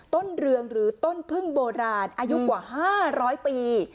เรืองหรือต้นพึ่งโบราณอายุกว่า๕๐๐ปี